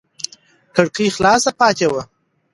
کړکۍ خلاصه پاتې وه.